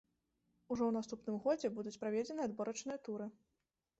Ужо ў наступным годзе будуць праведзеныя адборачныя туры.